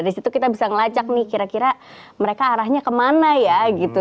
dari situ kita bisa ngelacak nih kira kira mereka arahnya kemana ya gitu